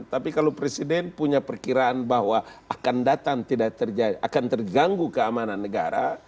tapi kalau presiden punya perkiraan bahwa akan datang tidak akan terganggu keamanan negara